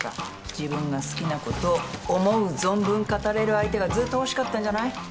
自分が好きなことを思う存分語れる相手がずっと欲しかったんじゃない？